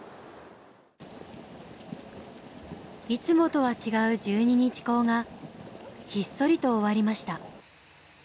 いつもとは違う十二日講がひっそりと終わりました。